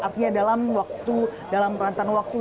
artinya dalam waktu